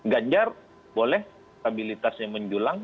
ganjar boleh stabilitasnya menjulang